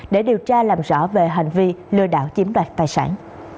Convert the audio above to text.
để điều tra làm rõ về hành vi lừa đảo chiếm đoạt tài sản